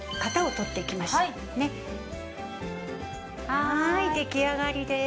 はーい出来上がりです。